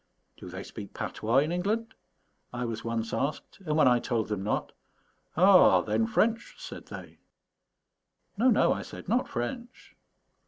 "Do they speak patois in England?" I was once asked; and when I told them not, "Ah, then, French?" said they. "No, no," I said, "not French."